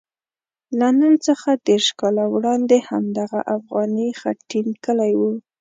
له نن څخه دېرش کاله وړاندې همدغه افغاني خټین کلی وو.